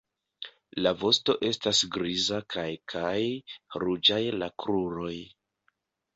La vosto estas griza kaj kaj ruĝaj la kruroj.